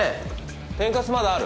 天かすまだある？